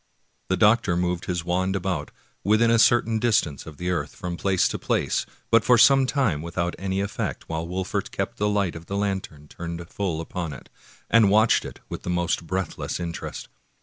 The doctor moved his wand about, within a cer tain distance of the earth, from place to place, but for some time without any efifect, while Wolfert kept the light of the lantern turned full upon it, and watched it with the most breathless interest.